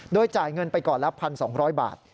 โดยจ่ายเงินไปก่อนละ๑๒๐๐บาท